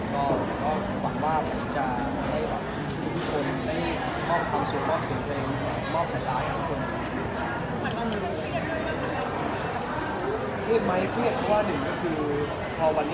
เพราะฉะนั้นการที่ต้องพยายามได้มาเจอพี่สิงห์ชมเจอบันกลับเจอแข่งเป็นความขึ้นเต้นด้วย